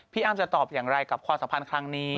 อ้ำจะตอบอย่างไรกับความสัมพันธ์ครั้งนี้